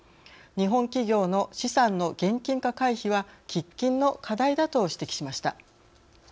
日本企業の資産の現金化回避は喫緊の課題だ」と指摘しました。